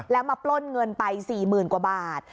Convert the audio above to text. แล้วมาปล้นเงินไป๔๐๐๐กว่าบาท